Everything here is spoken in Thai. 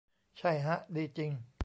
ใช่ฮะ ดีจริง